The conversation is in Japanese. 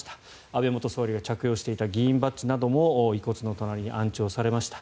安倍元総理が着用していた議員バッジなども遺骨の隣に安置されました。